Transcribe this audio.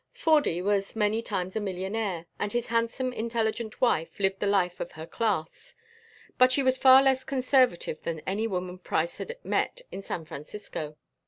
"Fordy" was many times a millionaire, and his handsome intelligent wife lived the life of her class. But she was far less conservative than any woman Price had met in San Francisco.